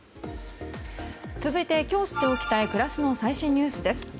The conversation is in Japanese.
続いて今日知っておきたい暮らしの最新ニュースです。